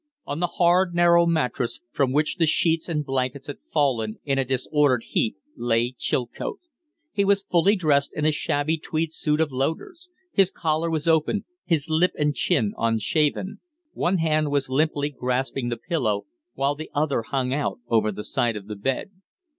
On the hard, narrow mattress, from which the sheets and blankets had fallen in a disordered heap, lay Chilcote. He was fully dressed in a shabby tweed suit of Loder's; his collar was open, his lip and chin unshaven; one hand was limply grasping the pillow, while the other hung out over the side of the bed.